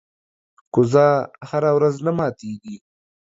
کوزه هره ورځ نه ماتېږي.